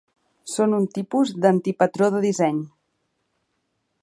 Són un tipus d"antipatró de disseny.